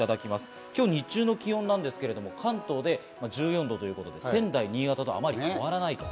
今日の日中の気温ですけれども、関東で１４度ということで、仙台、新潟とあまり変わりません。